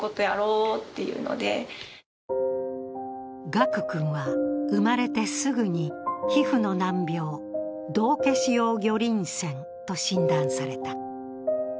賀久君は生まれてすぐに皮膚の難病、道化師様魚鱗癬と診断された。